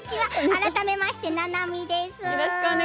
改めまして、ななみです。